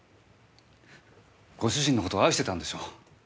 ご主人の事愛してたんでしょう？